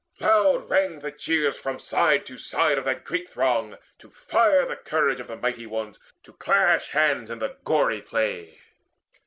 Loud rang the cheers From side to side of that great throng, to fire The courage of the mighty ones to clash Hands in the gory play.